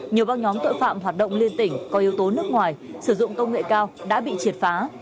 nhiều băng nhóm tội phạm hoạt động liên tỉnh có yếu tố nước ngoài sử dụng công nghệ cao đã bị triệt phá